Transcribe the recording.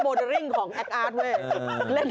มีคนไปแคส๕๐๖๐แล้วบท